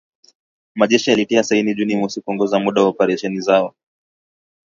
Majeshi yalitia saini Juni mosi kuongeza muda wa operesheni zao